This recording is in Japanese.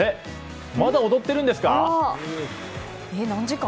まだ、踊ってるんですか？